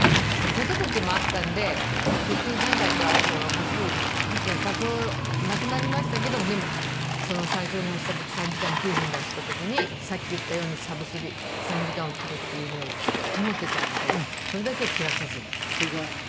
子育てもあったんで途中何回か走る時期が多少なくなりましたけどもでも最初に走った時３時間９分で走った時にさっき言ったようにサブスリー３時間を切るっていう夢をずっと持っていたんでそれだけは切らさずに。